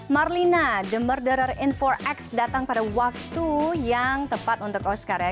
marlina the morder in empat x datang pada waktu yang tepat untuk oscar ya